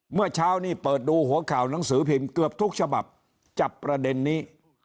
เมื่อเช้านี้เปิดดูหัวข่าวหนังสือพิมพ์เกือบทุกฉบับจับประเด็นนี้